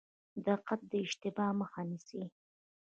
دقت د اشتباه مخه نیسي